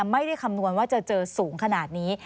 คำนวณว่าจะเจอสูงขนาดนี้